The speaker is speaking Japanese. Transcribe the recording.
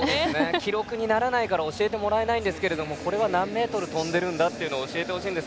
記録にならないから教えてもらえませんがこれは何メートル跳んでいるのか教えてほしいです。